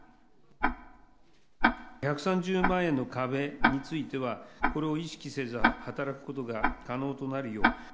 １３０万円の壁については、これを意識せず働くことが可能となるよう。